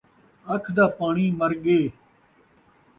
اکھ دا پاݨی مر ڳے